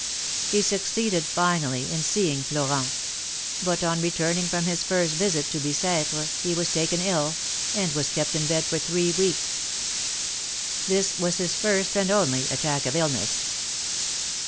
He succeeded finally in seeing Florent ; but, on returning from his first visit to Bicetre, he was taken ill, and was kept in bed for three weeks. This was his first and only attack of illness.